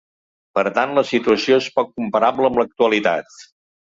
Per tant, la situació és poc comparable amb l’actualitat.